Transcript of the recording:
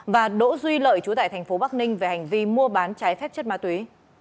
và đỗ duy lợi chú tại thành phố bắc ninh về hành vi mua bán trái phép chất ma túy